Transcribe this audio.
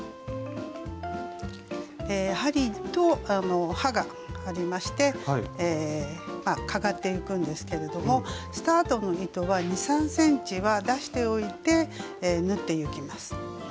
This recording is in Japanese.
針と刃がありましてかがっていくんですけれどもスタートの糸は２３ｃｍは出しておいて縫っていきます。